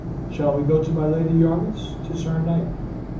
Shall we go to my Lady Yarmouth's? 'Tis her night.